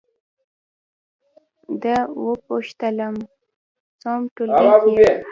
ده وپوښتلم: څووم ټولګي کې یې؟